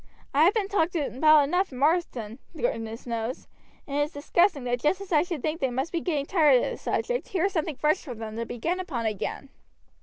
I have been talked about enough in Marsden, goodness knows, and it is disgusting that just as I should think they must be getting tired of the subject here is something fresh for them to begin upon again."